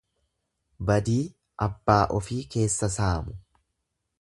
Badii abbaa ofii keessa saamu.